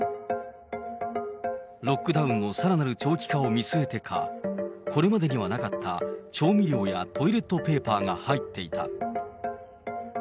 ロックダウンのさらなる長期化を見据えてか、これまでにはなかった調味料やトイレットペーパーが入っていた。